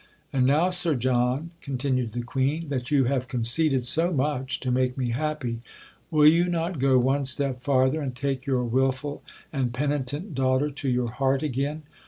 "And now, Sir John," continued the Queen, "that you have conceded so much to make me happy, will you not go one step farther and take your wilful and penitent daughter to your heart again?"